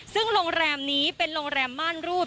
ซึ่งโรงแรมนี้เป็นโรงแรมม่านรูด